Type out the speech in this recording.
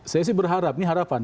saya sih berharap ini harapan